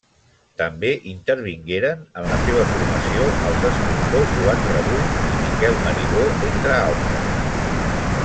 També intervingueren en la seva formació els escultors Joan Rebull i Miquel Marigó, entre altres.